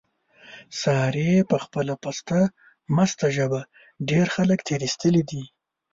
سارې په خپله پسته مسته ژبه، ډېر خلک تېر ایستلي دي.